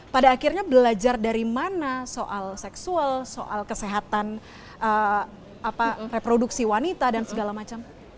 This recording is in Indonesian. pada akhirnya belajar dari mana soal seksual soal kesehatan reproduksi wanita dan segala macam